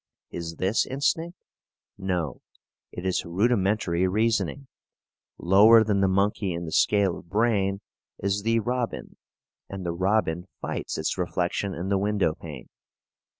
Is this instinct? No. It is rudimentary reasoning. Lower than the monkey in the scale of brain is the robin, and the robin fights its reflection in the window pane.